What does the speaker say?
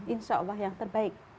insya allah yang terbaik